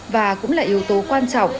và cũng là yếu tố quan trọng